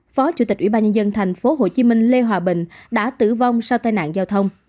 phó chủ tịch ủy ban nhân dân thành phố hồ chí minh lê hòa bình đã tử vong sau tai nạn giao thông